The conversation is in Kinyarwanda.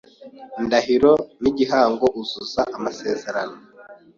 indahiro n’igihango uzuza amasezerano,